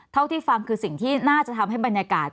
เท่าที่ฟังคือสิ่งที่น่าจะทำให้บรรยากาศ